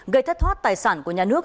gây thất thoát tài sản của nhà nước